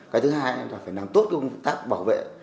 cái thứ hai là phải làm tốt công tác bảo vệ